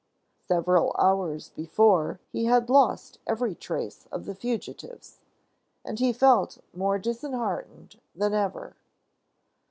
Several hours before he had lost every trace of the fugitives, and he felt more disheartened than ever.